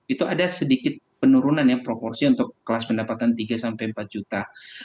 itu ada sedikit penurunan ya proporsi untuk kelas pendapatan tiga sampai empat juta